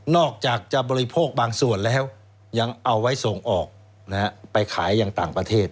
อกจากจะบริโภคบางส่วนแล้วยังเอาไว้ส่งออกไปขายอย่างต่างประเทศ